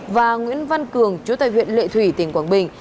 và nguyễn văn cường chú tại huyện lệ thủy tỉnh quảng bình